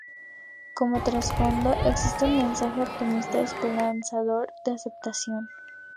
Como trasfondo existe un mensaje optimista y esperanzador de aceptación.